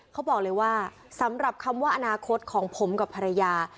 เขาบอกเลยว่าสำหรับคำว่าอนาคตของผมกับภรรยา